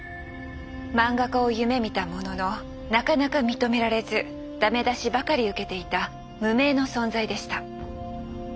漫画家を夢みたもののなかなか認められずダメ出しばかり受けていた無名の存在でした。